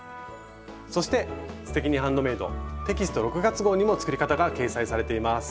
そして「すてきにハンドメイド」テキスト６月号にも作り方が掲載されています。